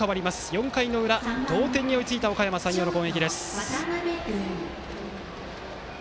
４回の裏、同点に追いついたおかやま山陽の攻撃。